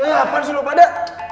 apaan sih lo pada